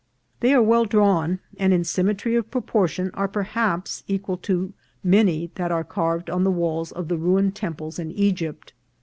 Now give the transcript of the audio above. They are well drawn, and in symmetry of proportion are perhaps equal to many that are carved on the walls of the ruined tem ples in Egypt.